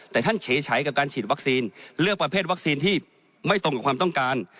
แต่ท่านเฉยกับการฉีดวัคซีนเลือกประเภทวัคซีนที่ไม่ตรงกับความต้องการ